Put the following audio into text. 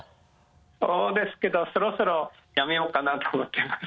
そうですけどそろそろやめようかなと思ってます。